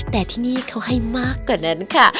แต่ที่นี่เขาให้มากกว่านั้นค่ะ